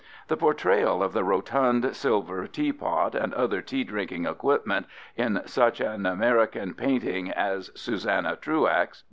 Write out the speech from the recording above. The portrayal of the rotund silver teapot and other tea drinking equipment in such an American painting as Susanna Truax (fig.